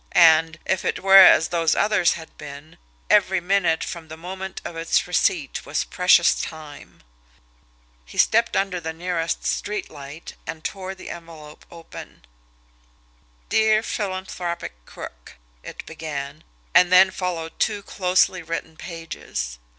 And, if it were as those others had been, every minute from the moment of its receipt was precious time. He stepped under the nearest street light, and tore the envelope open. "Dear Philanthropic Crook," it began and then followed two closely written pages.